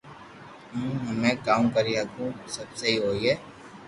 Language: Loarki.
ھون ھمي ڪاو ڪري ھگو سب سھي ھوئي